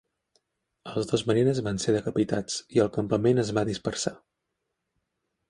Els dos marines van ser decapitats i el campament es va dispersar.